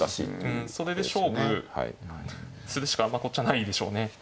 うんそれで勝負するしかこっちはないんでしょうね。